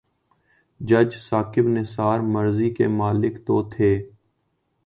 جج ثاقب نثار مرضی کے مالک تو تھے۔